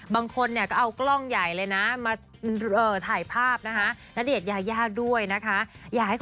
บางคนเนี่ยก็เอากล้องใหญ่เลยนะมาถ่ายภาพนะคะณเดชน์ยายาด้วยนะคะ